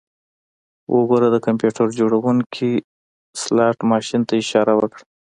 وګوره د کمپیوټر جوړونکي سلاټ ماشین ته اشاره وکړه